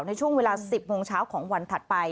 ในช่วงเวลา๑๐โมงเช้าของวันถัดไป